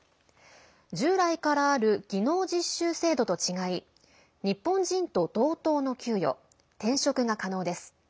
従来からある技能実習制度と違い日本人と同等の給与転職が可能です。